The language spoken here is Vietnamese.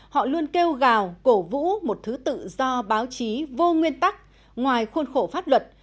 họ luôn kêu gào cổ vũ một thứ tự do báo chí vô nguyên tắc ngoài khuôn khổ pháp luật